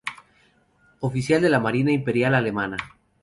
Oficial de la marina imperial alemana.